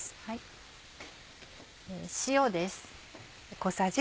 塩です。